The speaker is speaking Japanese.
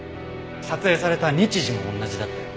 撮影された日時も同じだったよ。